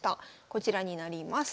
こちらになります。